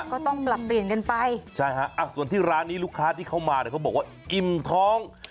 ก็ต้องปรับเปลี่ยนกันไปใช่ฮะอ่ะส่วนที่ร้านนี้ลูกค้าที่เขามาเนี่ยเขาบอกว่าอิ่มท้อง